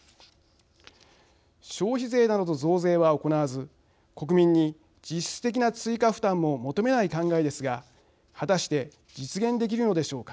消費税などの増税は行わず国民に実質的な追加負担も求めない考えですが果たして実現できるのでしょうか。